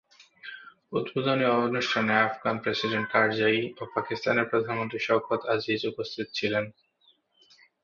উদ্বোধনী অনুষ্ঠানে Afghan president Karzai ও পাকিস্তানের প্রধানমন্ত্রী শওকত আজিজ উপস্থিত ছিলেন।